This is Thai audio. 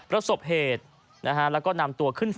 ประสบเหตุนะฮะแล้วก็นำตัวขึ้นฝั่ง